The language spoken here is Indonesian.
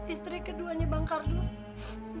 istri keduanya bang karjun